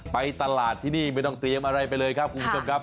ไปตลาดที่นี่ไม่ต้องเตรียมอะไรไปเลยครับคุณผู้ชมครับ